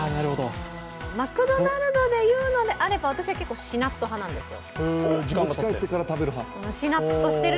マクドナルドでいうのであれば、私はしなっと派なんですよ。